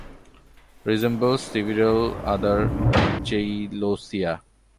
Resembles several other "Cheilosia".